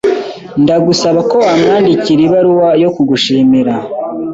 Ndagusaba ko wamwandikira ibaruwa yo kugushimira.